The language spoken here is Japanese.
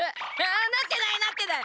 なってないなってない！